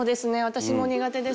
私も苦手です。